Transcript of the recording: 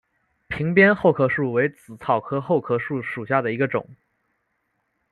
屏边厚壳树为紫草科厚壳树属下的一个种。